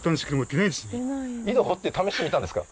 井戸掘って試してみたんですか？